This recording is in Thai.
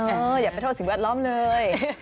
อย่าไปโทษสิ่งแวดล้อมเลย